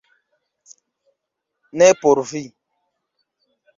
Ne por vi